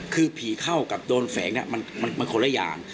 คือผีเข้ากับโดนแฝงเนี่ยมันคนละอย่าง